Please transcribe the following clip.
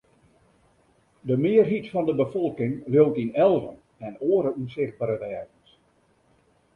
De mearheid fan de befolking leaut yn elven en oare ûnsichtbere wêzens.